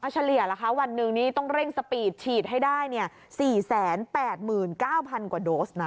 เฉลี่ยล่ะคะวันหนึ่งนี่ต้องเร่งสปีดฉีดให้ได้๔๘๙๐๐กว่าโดสนะ